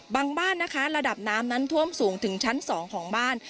บ้านนะคะระดับน้ำนั้นท่วมสูงถึงชั้น๒ของบ้าน